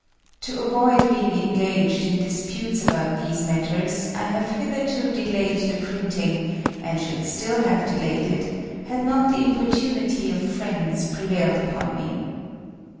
To avoid being engaged in Disputes about these Matters, I have hitherto delayed the printing, and should still have delayed it, had not the Importunity of Friends prevailed upon me.